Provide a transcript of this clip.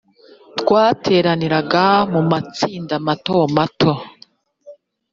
twateraniraga mu matsinda mato mato